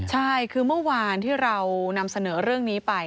ใช่คือเมื่อวานที่เรานำเสนอเรื่องนี้ไป